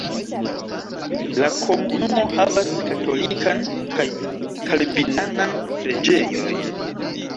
La komunumo havas katolikan kaj kalvinanan preĝejojn.